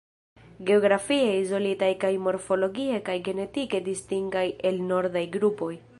Geografie izolitaj kaj morfologie kaj genetike distingaj el nordaj grupoj.